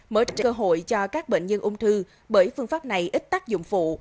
mở ra cơ hội cho các bệnh nhân ung thư bởi phương pháp này ít tác dụng phụ